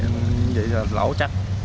như vậy là lỗ chắc